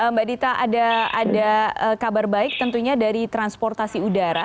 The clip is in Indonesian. mbak dita ada kabar baik tentunya dari transportasi udara